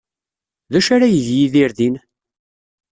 D acu ara yeg Yidir din?